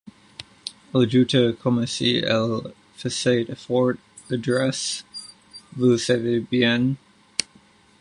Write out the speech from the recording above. Elle ajouta comme si elle faisait effort :— L’adresse… vous savez bien ?